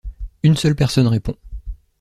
Une seule personne répond.